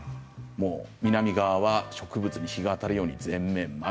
南側は植物に日が当たるように全面窓。